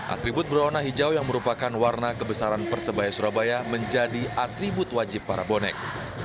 atribut berwarna hijau yang merupakan warna kebesaran persebaya surabaya menjadi atribut wajib para bonek